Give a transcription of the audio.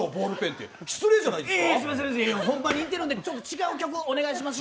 ホンマに似てるんで、ちょっと違う曲お願いします。